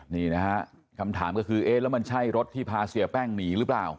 นี่นะฮะคำถามก็คือเอ๊ะแล้วมันใช่รถที่พาเสียแป้งหนีหรือเปล่า